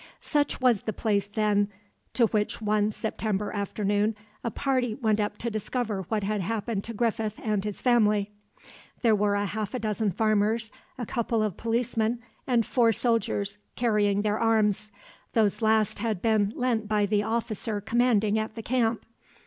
Such was the place, then, to which one September afternoon a party went up to discover what had happened to Griffith and his family. There were half a dozen farmers, a couple of policemen, and four soldiers, carrying their arms; those last had been lent by the officer commanding at the camp.